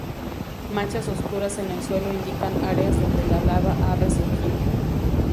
Manchas oscuras en el suelo indican áreas donde la lava ha resurgido.